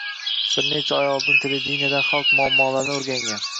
Bir necha oy oldin televideniyedan xalq muammolarini oʻrgangan